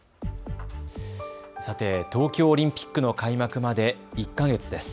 さて、東京オリンピックの開幕まで１か月です。